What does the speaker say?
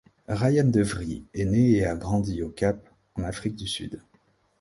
Ryan De Vries est né et a grandi au Cap, en Afrique du Sud.